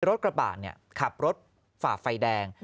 ที่รถกระบาดขับรถฝาฟ้ายแดง